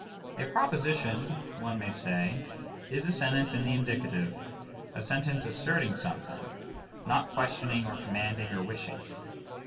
A proposition, one may say, is a sentence in the indicative, a sentence asserting something, not questioning or commanding or wishing.